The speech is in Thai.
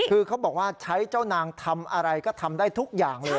คือเขาบอกว่าใช้เจ้านางทำอะไรก็ทำได้ทุกอย่างเลย